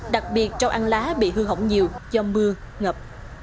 đặc biệt rau ăn lá bị hư hỏng nhiều do mưa ngập